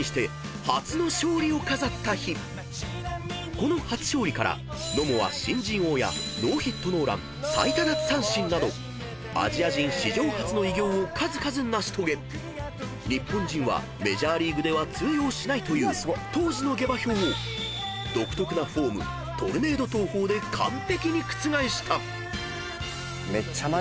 ［この初勝利から野茂は新人王やノーヒットノーラン最多奪三振などアジア人史上初の偉業を数々成し遂げ日本人はメジャーリーグでは通用しないという当時の下馬評を独特なフォームトルネード投法で完璧に覆した］